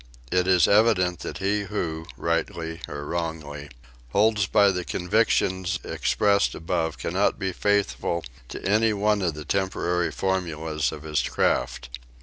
It is evident that he who, rightly or wrongly, holds by the convictions expressed above cannot be faithful to any one of the temporary formulas of his craft.